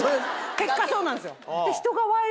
結果そうなんですよ。